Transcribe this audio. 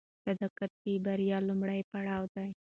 صداقت د بریا لومړی پړاو دی.